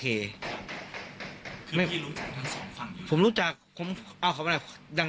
คือพี่รู้จักทางสองฟัง